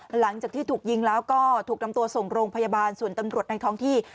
หลังจากที่ถูกยิงแล้วก็ถูกนำตัวส่งโรงพยาบาลส่วนตำรวจในท้องที่